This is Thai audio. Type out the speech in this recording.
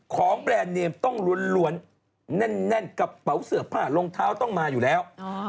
แบรนด์เนมต้องล้วนแน่นกระเป๋าเสื้อผ้ารองเท้าต้องมาอยู่แล้ว